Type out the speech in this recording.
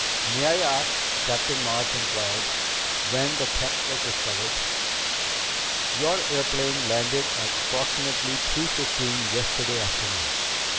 "May I ask," Captain March inquired, "when the theft was discovered?" "Your airplane landed at approximately three fifteen yesterday afternoon.